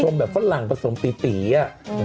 ชมแบบฟันหลังผสมปี๊อ่ะ